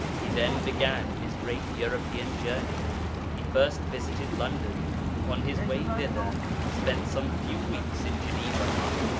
He then began His great European journey. He first visited London. On His way thither He spent some few weeks in Geneva.